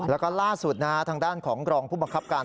แล้วก็ล่าสุดทางด้านของกรองผู้บังคับการ